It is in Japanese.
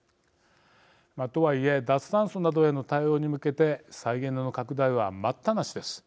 とはいえ、脱炭素などへの対応に向けて再エネの拡大は待ったなしです。